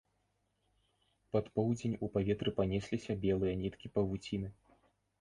Пад поўдзень у паветры панесліся белыя ніткі павуціны.